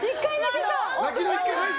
泣きの１回なし？